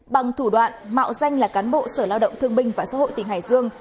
bằng thủ đoạn mạo danh là cán bộ sở lao động thương binh và xã hội tỉnh hải dương